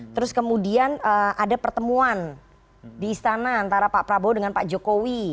terus kemudian ada pertemuan di istana antara pak prabowo dengan pak jokowi